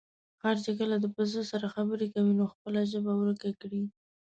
خر چې کله د پسه سره خبرې کوي، نو خپله ژبه ورکه کړي.